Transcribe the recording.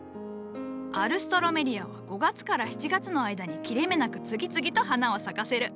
アルストロメリアは５月から７月の間に切れ目なく次々と花を咲かせる。